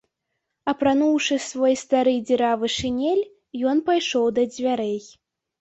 Апрануўшы свой стары дзіравы шынель, ён пайшоў да дзвярэй.